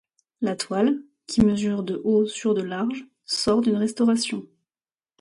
La toile, qui mesure de haut sur de large, sort d'une restauration.